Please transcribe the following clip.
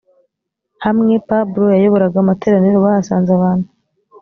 hamwe pablo yayoboraga amateraniro bahasanze abantu